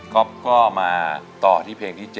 ๊อฟก็มาต่อที่เพลงที่๗